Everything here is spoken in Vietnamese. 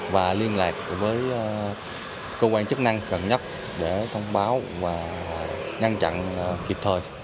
và liên lạc với cơ quan chức năng gần nhất để thông báo và ngăn chặn kịp thời